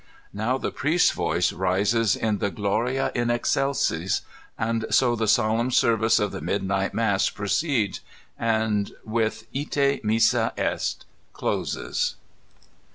Now the priest's voice rises in the Gloria in Excdsis; and so the solemn service of the midnight mass pro ceeds, and with Ite, missa est, doses.